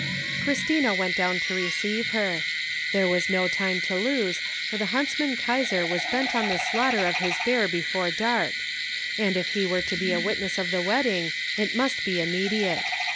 Christina went down to receive her. There was no time to lose, for the huntsman Kaisar was bent on the slaughter of his bear before dark, and, if he were to be witness of the wedding, it must be immediate.